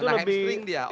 kena hamstring dia ototnya